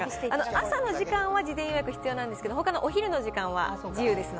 朝の時間は事前予約必要なんですが、ほかのお昼の時間は自由です